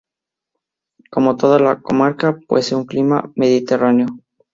Como toda la comarca, posee un clima mediterráneo.